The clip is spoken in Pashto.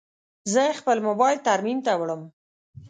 زه خپل موبایل ترمیم ته وړم.